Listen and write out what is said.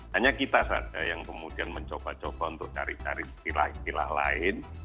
hanya kita saja yang kemudian mencoba coba untuk cari cari istilah istilah lain